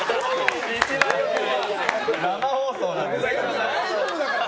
生放送なんですから。